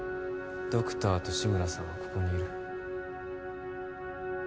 ドクターと志村さんはここにいる